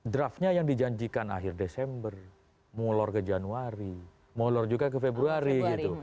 draftnya yang dijanjikan akhir desember mulur ke januari mulur juga ke februari